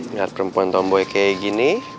biar perempuan tomboy kayak gini